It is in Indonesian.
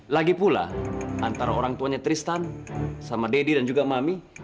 lagi pula antara orang tuanya tristan sama deddy dan juga mami